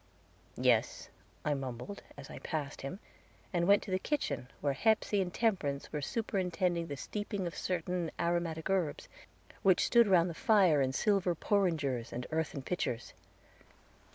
"Yes," I mumbled, as I passed him, and went to the kitchen, where Hepsey and Temperance were superintending the steeping of certain aromatic herbs, which stood round the fire in silver porringers and earthen pitchers.